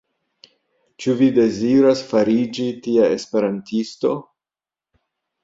Ĉu vi deziras fariĝi tia Esperantisto?